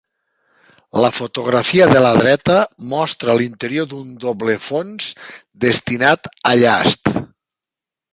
La fotografia de la dreta mostra l'interior d'un doble fons destinat a llast.